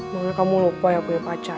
makanya kamu lupa ya kue pacar